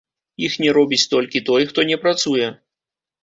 Іх не робіць толькі той, хто не працуе.